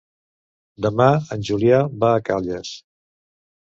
Demà en Julià va a Calles.